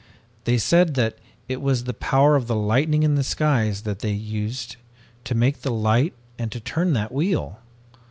They said that it was the power of the lightning in the skies that they used to make the light and to turn that wheel!